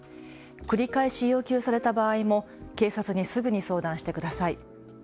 繰り返し要求された場合も警察にすぐに相談してください。